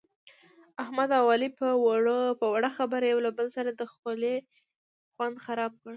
احمد اوعلي په وړه خبره یو له بل سره د خولې خوند خراب کړ.